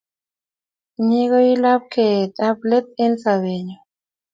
Inye ko iu lapkeet ap let eng' sobennyu.